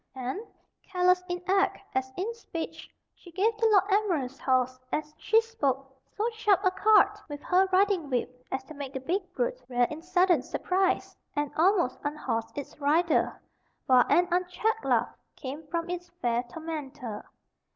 and, careless in act as in speech, she gave the Lord Admiral's horse, as she spoke, so sharp a cut with her riding whip as to make the big brute rear in sudden surprise, and almost unhorse its rider, while an unchecked laugh came from its fair tormentor.